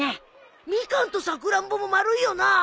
ミカンとサクランボも丸いよな？